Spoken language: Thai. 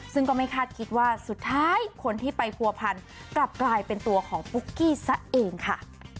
ซึ่งก็ไม่คาดคิดว่าสุดท้ายคนที่ไปผัวพันกลับกลายเป็นตัวของปุ๊กกี้ซะเองค่ะ